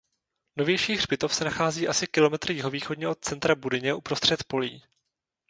Novější hřbitov se nachází asi kilometr jihovýchodně od centra Budyně uprostřed polí.